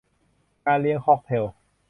งานเลี้ยงค็อกเทล